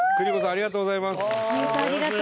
ありがとうございます。